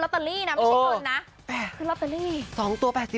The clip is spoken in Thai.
ที่เห็นนะคือลอตเตอรี่นะไม่ใช่คนนะ